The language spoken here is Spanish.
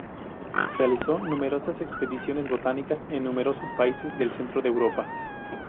Realizó numerosas expediciones botánicas en numerosos países del centro de Europa.